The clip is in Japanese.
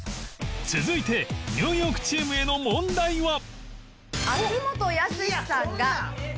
続いてニューヨークチームへの問題は？